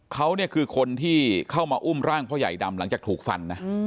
เขาเนี่ยคือคนที่เข้ามาอุ้มร่างพ่อใหญ่ดำหลังจากถูกฟันนะ